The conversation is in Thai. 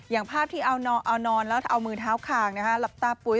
อย่างภาพที่เอานอนแล้วเอามือเท้าคางหลับตาปุ๋ย